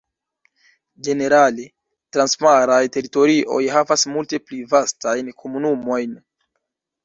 Ĝenerale, transmaraj teritorioj havas multe pli vastajn komunumojn.